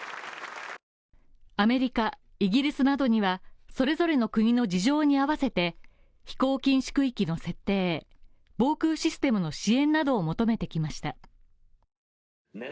アメリカ、イギリスなどにはそれぞれの国の事情に合わせて飛行禁止区域の設定防空システムの支援などを求めてきました。